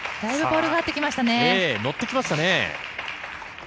のってきましたね。